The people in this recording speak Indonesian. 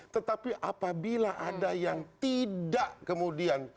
tetapi apabila ada yang tidak kemudian